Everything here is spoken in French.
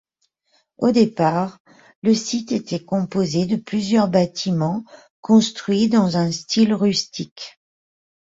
Au départ, le site était composé de plusieurs bâtiments construits dans un style rustique.